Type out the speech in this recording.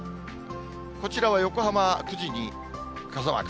こちらは横浜９時に傘マーク。